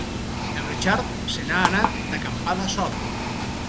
En Richard se n'ha anat d'acampada sol.